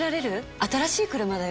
新しい車だよ。